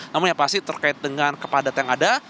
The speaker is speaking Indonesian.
namun yang pasti terkait dengan kepadatan yang ada